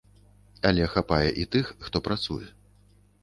Але хапае і тых, хто працуе.